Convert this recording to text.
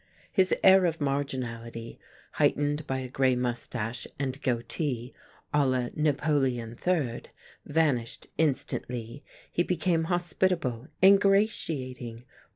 His air of marginality, heightened by a grey moustache and goatee a la Napoleon Third, vanished instantly; he became hospitable, ingratiating.